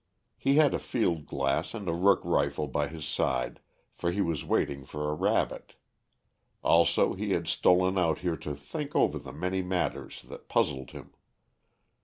He had a field glass and a rook rifle by his side, for he was waiting for a rabbit. Also he had stolen out here to think over the many matters that puzzled him.